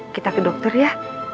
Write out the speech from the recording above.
kita ke dokter ya